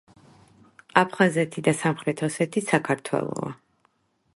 აფხაზეთი და სამხრეთ ოსეთი საქართველოა!